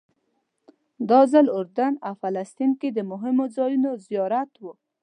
دا ځل اردن او فلسطین کې د مهمو ځایونو زیارت و.